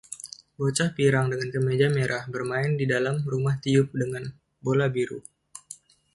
Bocah pirang dengan kemeja merah bermain di dalam rumah tiup dengan bola biru.